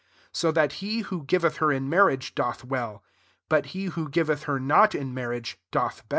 38 So that he who giveth ker in marriage, doth well; but he who giveth her not in marriage, doth better.